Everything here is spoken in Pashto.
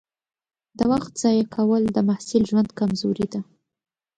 د وخت ضایع کول د محصل ژوند کمزوري ده.